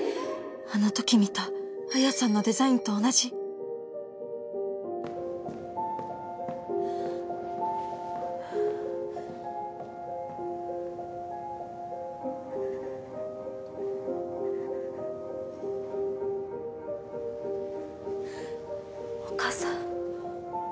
あのとき見た綾さんのデザインと同じお母さん。